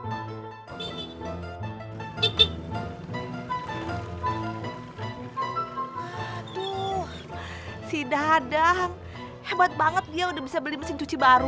tuh si dadang hebat banget dia udah bisa beli mesin cuci baru